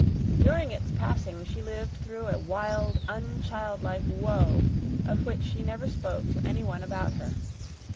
During its passing she lived through a wild, unchildlike woe of which she never spoke to anyone about her.